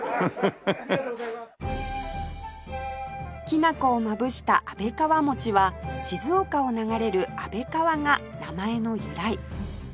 きな粉をまぶした安倍川餅は静岡を流れる安倍川が名前の由来